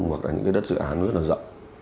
hoặc là những cái đất dự án rất là rộng